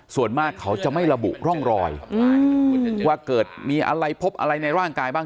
ส่วนมากเขาจะไม่ระบุร่องรอยว่าเกิดมีอะไรพบอะไรในร่างกายบ้าง